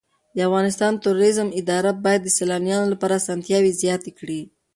د افغانستان د توریزم اداره باید د سېلانیانو لپاره اسانتیاوې زیاتې کړي.